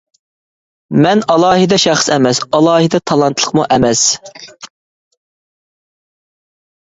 مەن ئالاھىدە شەخس ئەمەس، ئالاھىدە تالانتلىقمۇ ئەمەس.